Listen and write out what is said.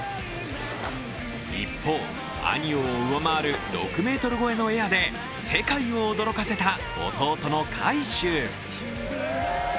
一方、兄を上回る６ｍ超えのエアで世界を驚かせた弟の海祝。